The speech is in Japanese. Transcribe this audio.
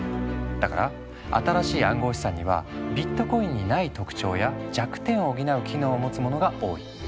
だから新しい暗号資産にはビットコインにない特徴や弱点を補う機能を持つものが多い。